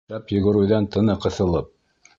Шәп йүгереүҙән тыны ҡыҫылып: